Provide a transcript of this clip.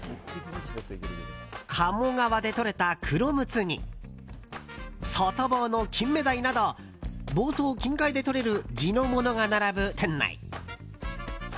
鴨川でとれたクロムツに外房のキンメダイなど房総近海でとれる地のものが並ぶ店内。